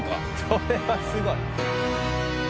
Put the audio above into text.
それはすごい。